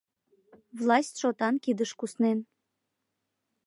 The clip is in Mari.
Власть шотан кидыш куснен.